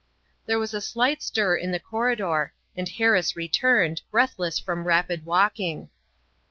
There was a slight stir in the corridor and Harris re turned, breathless from rapid walking.